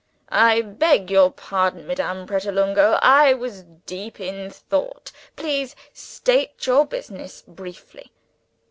"I beg your pardon, Madame Pratolungo, I was deep in thought. Please state your business briefly."